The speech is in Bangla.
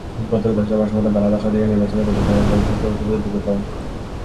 প্রত্যক্ষদর্শীদের ভাষ্যমতে, বেলা দশটার দিকে নির্বাচনের দুটি প্যানেলের লোকজন প্রতিটি বুথে ঢুকে পড়েন।